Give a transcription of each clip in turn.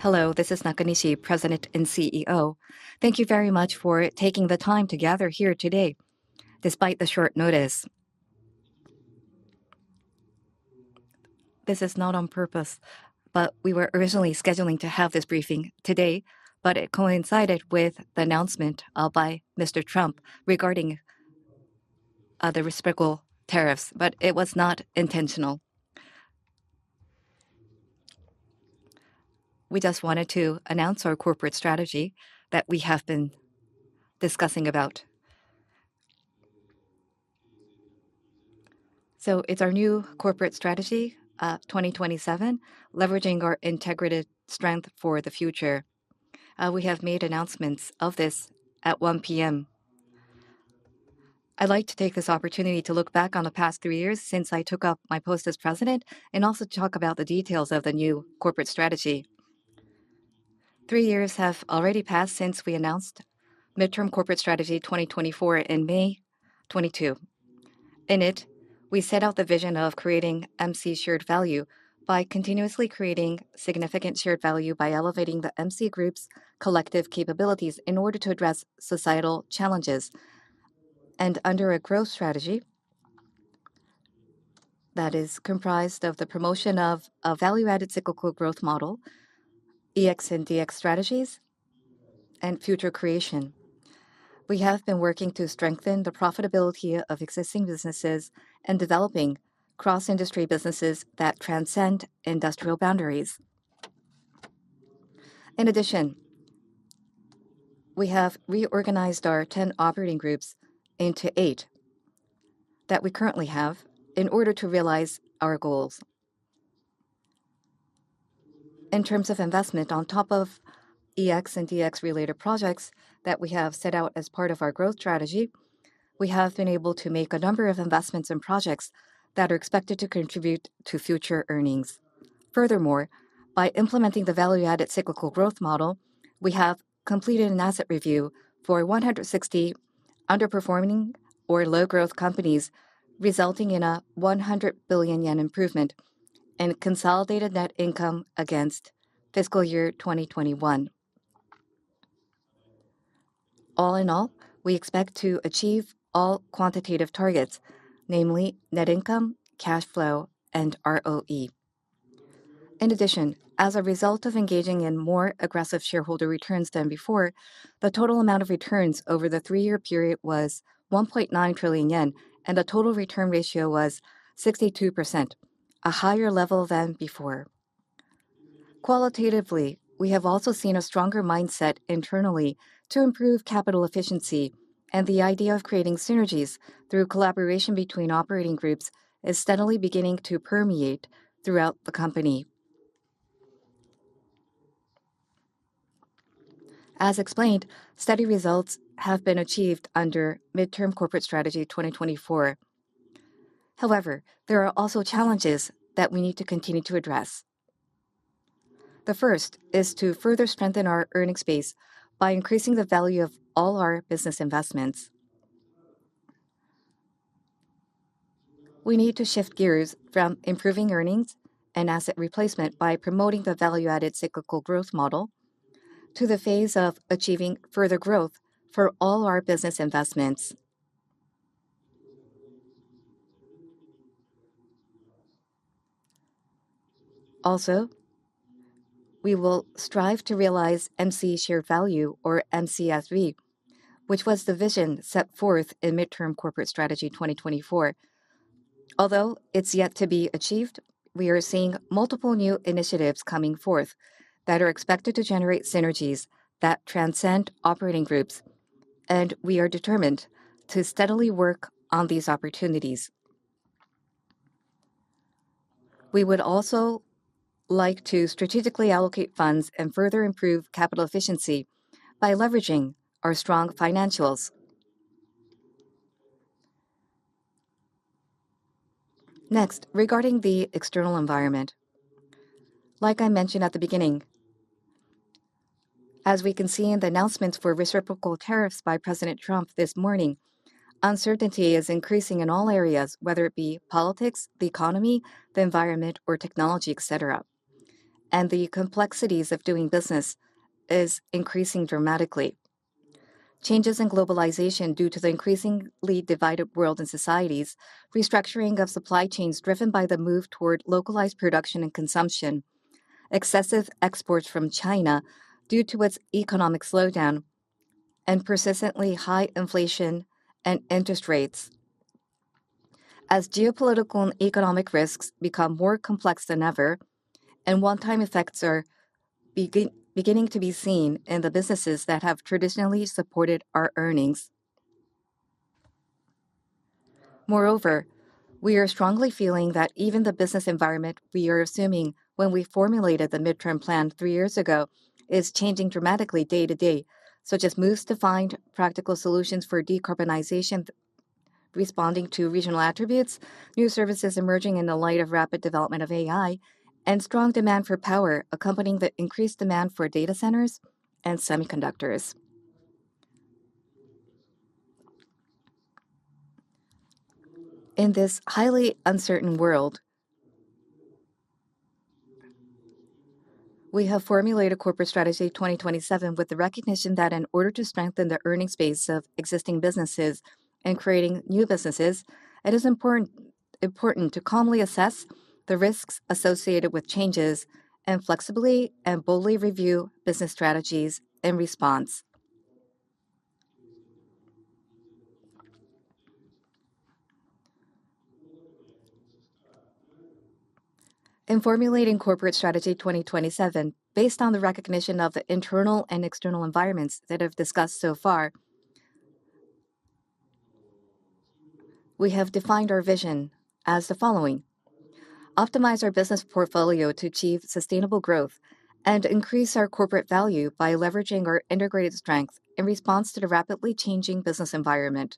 Hello, this is Katsuya Nakanishi, President and CEO. Thank you very much for taking the time to gather here today, despite the short notice. This is not on purpose, but we were originally scheduling to have this briefing today, but it coincided with the announcement by Mr. Trump regarding the reciprocal tariffs, but it was not intentional. We just wanted to announce our corporate strategy that we have been discussing about. It's our new Corporate Strategy 2027, leveraging our integrated strength for the future. We have made announcements of this at 1:00 P.M. I'd like to take this opportunity to look back on the past three years since I took up my post as president, and also to talk about the details of the new corporate strategy. Three years have already passed since we announced Midterm Corporate Strategy 2024 in May 2022. In it, we set out the vision of creating MC Shared Value by continuously creating significant shared value by elevating the MC Group's collective capabilities in order to address societal challenges. Under a growth strategy that is comprised of the promotion of a Value-Added Cyclical Growth Model, EX and DX strategies, and future creation, we have been working to strengthen the profitability of existing businesses and developing cross-industry businesses that transcend industrial boundaries. In addition, we have reorganized our 10 operating groups into eight that we currently have in order to realize our goals. In terms of investment on top of EX and DX-related projects that we have set out as part of our growth strategy, we have been able to make a number of investments and projects that are expected to contribute to future earnings. Furthermore, by implementing the Value-Added Cyclical Growth Model, we have completed an asset review for 160 underperforming or low-growth companies, resulting in a 100 billion yen improvement in consolidated net income against fiscal year 2021. All in all, we expect to achieve all quantitative targets, namely net income, cash flow, and ROE. In addition, as a result of engaging in more aggressive shareholder returns than before, the total amount of returns over the three-year period was 1.9 trillion yen, and the total return ratio was 62%, a higher level than before. Qualitatively, we have also seen a stronger mindset internally to improve capital efficiency, and the idea of creating synergies through collaboration between operating groups is steadily beginning to permeate throughout the company. As explained, steady results have been achieved under Midterm Corporate Strategy 2024. However, there are also challenges that we need to continue to address. The first is to further strengthen our earning space by increasing the value of all our business investments. We need to shift gears from improving earnings and asset replacement by promoting the Value-Added Cyclical Growth Model to the phase of achieving further growth for all our business investments. Also, we will strive to realize MC Shared Value, or MCSV, which was the vision set forth in Midterm Corporate Strategy 2024. Although it's yet to be achieved, we are seeing multiple new initiatives coming forth that are expected to generate synergies that transcend operating groups, and we are determined to steadily work on these opportunities. We would also like to strategically allocate funds and further improve capital efficiency by leveraging our strong financials. Next, regarding the external environment, like I mentioned at the beginning, as we can see in the announcements for reciprocal tariffs by President Trump this morning, uncertainty is increasing in all areas, whether it be politics, the economy, the environment, or technology, et cetera. The complexities of doing business are increasing dramatically. Changes in globalization due to the increasingly divided world and societies, restructuring of supply chains driven by the move toward localized production and consumption, excessive exports from China due to its economic slowdown, and persistently high inflation and interest rates. As geopolitical and economic risks become more complex than ever, one-time effects are beginning to be seen in the businesses that have traditionally supported our earnings. Moreover, we are strongly feeling that even the business environment we are assuming when we formulated the midterm plan three years ago is changing dramatically day to day, such as moves to find practical solutions for decarbonization responding to regional attributes, new services emerging in the light of rapid development of AI, and strong demand for power accompanying the increased demand for data centers and semiconductors. In this highly uncertain world, we have formulated Corporate Strategy 2027 with the recognition that in order to strengthen the earnings base of existing businesses and creating new businesses, it is important to calmly assess the risks associated with changes and flexibly and boldly review business strategies in response. In formulating Corporate Strategy 2027, based on the recognition of the internal and external environments that have discussed so far, we have defined our vision as the following: optimize our business portfolio to achieve sustainable growth and increase our corporate value by leveraging our integrated strengths in response to the rapidly changing business environment.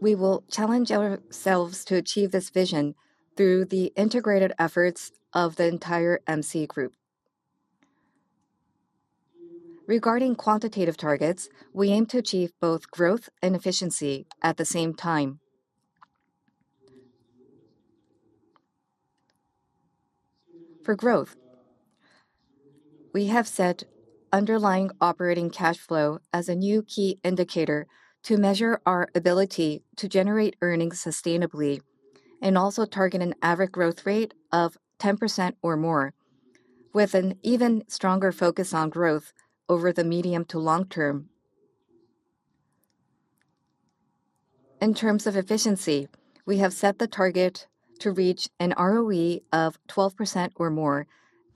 We will challenge ourselves to achieve this vision through the integrated efforts of the entire MC Group. Regarding quantitative targets, we aim to achieve both growth and efficiency at the same time. For growth, we have set underlying operating cash flow as a new key indicator to measure our ability to generate earnings sustainably and also target an average growth rate of 10% or more, with an even stronger focus on growth over the medium to long term. In terms of efficiency, we have set the target to reach an ROE of 12% or more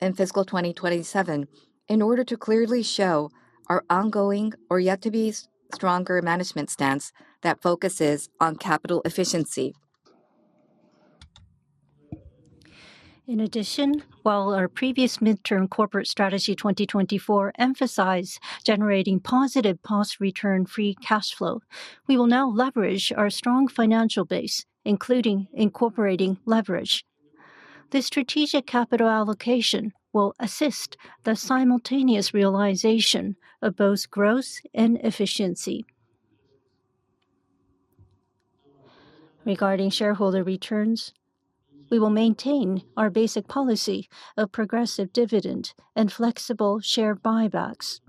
in fiscal 2027 in order to clearly show our ongoing or yet-to-be-stronger management stance that focuses on capital efficiency. In addition, while our previous Midterm Corporate Strategy 2024 emphasized generating positive post-return free cash flow, we will now leverage our strong financial base, including incorporating leverage. This strategic capital allocation will assist the simultaneous realization of both growth and efficiency. Regarding shareholder returns, we will maintain our basic policy of progressive dividend and flexible share buybacks.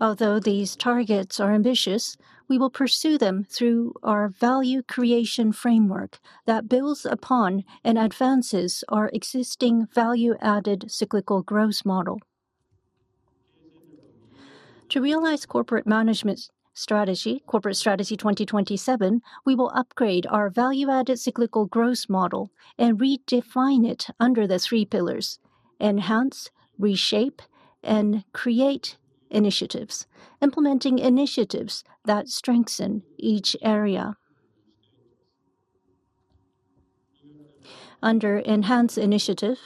Although these targets are ambitious, we will pursue them through our value creation framework that builds upon and advances our existing Value-Added Cyclical Growth Model. To realize Corporate Management Strategy, Corporate Strategy 2027, we will upgrade our Value-Added Cyclical Growth Model and redefine it under the three pillars: Enhance, Reshape, and Create initiatives, implementing initiatives that strengthen each area. Under Enhance initiative,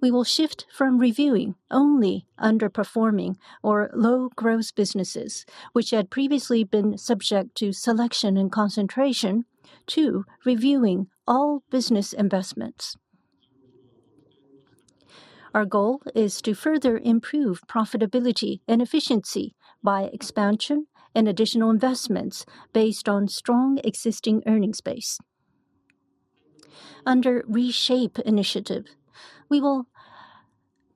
we will shift from reviewing only underperforming or low-growth businesses, which had previously been subject to selection and concentration, to reviewing all business investments. Our goal is to further improve profitability and efficiency by expansion and additional investments based on strong existing earnings base. Under Reshape initiative, we will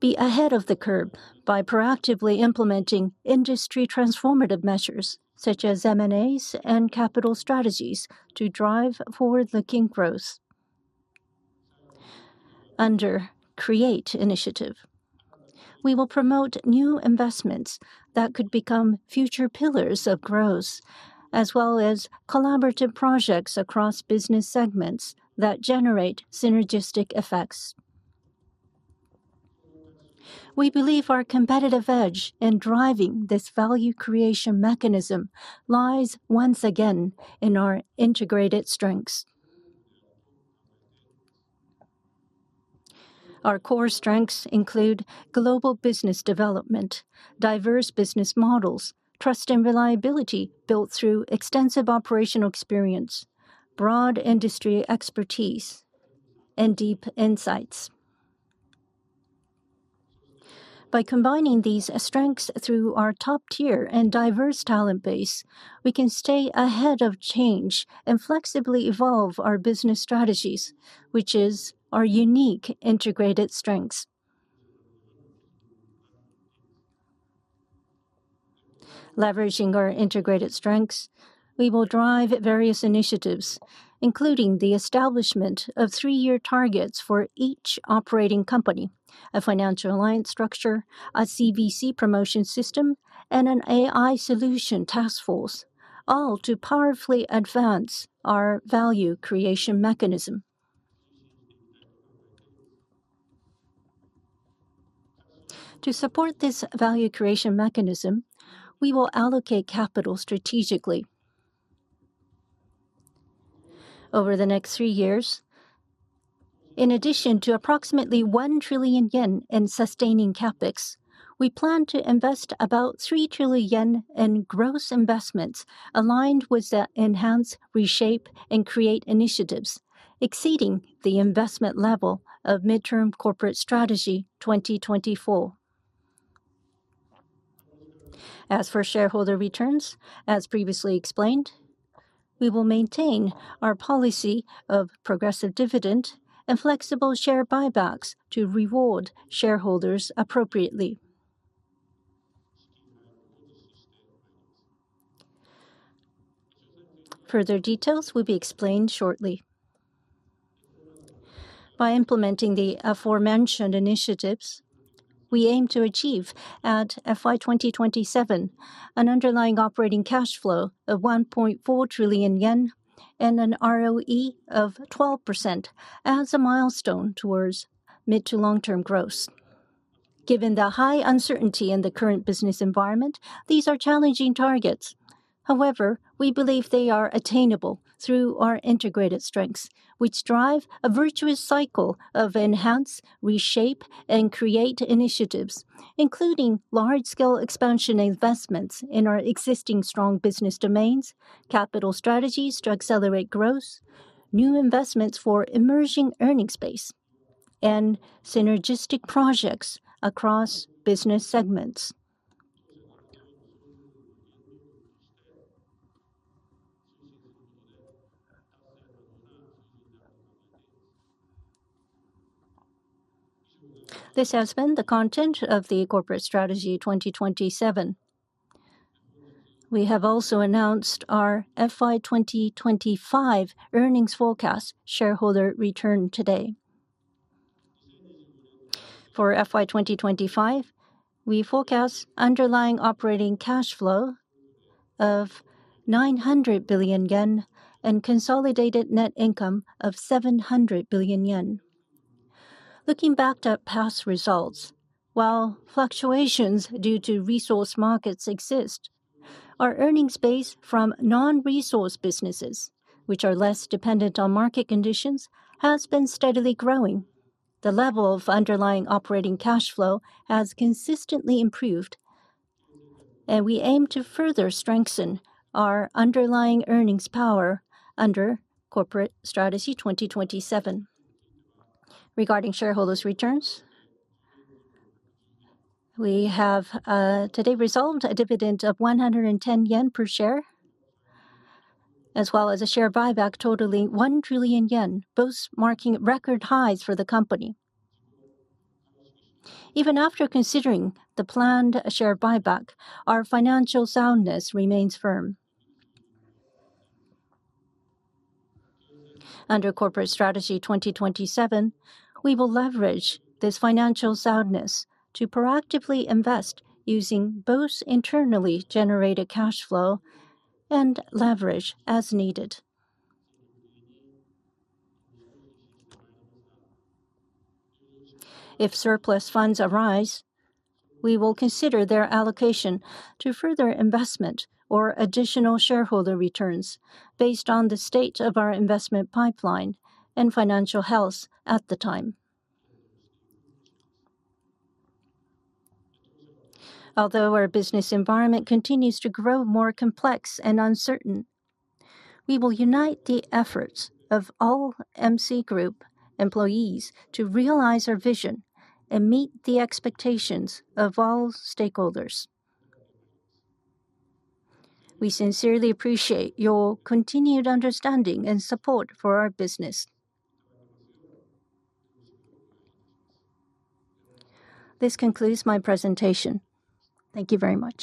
be ahead of the curve by proactively implementing industry transformative measures such as M&As and capital strategies to drive forward-looking growth. Under Create initiative, we will promote new investments that could become future pillars of growth, as well as collaborative projects across business segments that generate synergistic effects. We believe our competitive edge in driving this value creation mechanism lies once again in our integrated strengths. Our core strengths include global business development, diverse business models, trust and reliability built through extensive operational experience, broad industry expertise, and deep insights. By combining these strengths through our top-tier and diverse talent base, we can stay ahead of change and flexibly evolve our business strategies, which is our unique integrated strengths. Leveraging our integrated strengths, we will drive various initiatives, including the establishment of three-year targets for each operating company, a financial alliance structure, a CVC promotion system, and an AI solution task force, all to powerfully advance our value creation mechanism. To support this value creation mechanism, we will allocate capital strategically. Over the next three years, in addition to approximately 1 trillion yen in sustaining CapEx, we plan to invest about 3 trillion yen in gross investments aligned with the Enhance, Reshape, and Create initiatives exceeding the investment level of Midterm Corporate Strategy 2024. As for shareholder returns, as previously explained, we will maintain our policy of progressive dividend and flexible share buybacks to reward shareholders appropriately. Further details will be explained shortly. By implementing the aforementioned initiatives, we aim to achieve at FY 2027 an underlying operating cash flow of 1.4 trillion yen and an ROE of 12% as a milestone towards mid to long-term growth. Given the high uncertainty in the current business environment, these are challenging targets. However, we believe they are attainable through our integrated strengths, which drive a virtuous cycle of Enhance, Reshape, and Create initiatives, including large-scale expansion investments in our existing strong business domains, capital strategies to accelerate growth, new investments for emerging earnings base, and synergistic projects across business segments. This has been the content of the Corporate Strategy 2027. We have also announced our FY 2025 earnings forecast shareholder return today. For FY 2025, we forecast underlying operating cash flow of 900 billion yen and consolidated net income of 700 billion yen. Looking back to past results, while fluctuations due to resource markets exist, our earnings base from non-resource businesses, which are less dependent on market conditions, has been steadily growing. The level of underlying operating cash flow has consistently improved, and we aim to further strengthen our underlying earnings power under Corporate Strategy 2027. Regarding shareholders' returns, we have today resolved a dividend of 110 yen per share, as well as a share buyback totaling 1 trillion yen, both marking record highs for the company. Even after considering the planned share buyback, our financial soundness remains firm. Under Corporate Strategy 2027, we will leverage this financial soundness to proactively invest using both internally generated cash flow and leverage as needed. If surplus funds arise, we will consider their allocation to further investment or additional shareholder returns based on the state of our investment pipeline and financial health at the time. Although our business environment continues to grow more complex and uncertain, we will unite the efforts of all MC Group employees to realize our vision and meet the expectations of all stakeholders. We sincerely appreciate your continued understanding and support for our business. This concludes my presentation. Thank you very much.